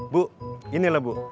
bu gini lah bu